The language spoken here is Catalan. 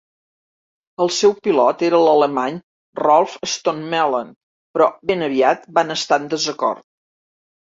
El seu pilot era l'alemany Rolf Stommelen, però ben aviat van estar en desacord.